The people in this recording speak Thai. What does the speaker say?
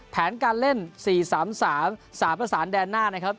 แผนการเล่น๔๓๓ประสานแดนหน้านะครับ